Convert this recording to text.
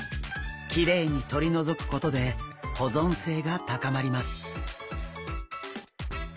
きれいにとり除くことで保存性が高まります。